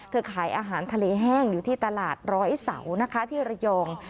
ขายอาหารทะเลแห้งอยู่ที่ตลาดร้อยเสานะคะที่ระยอง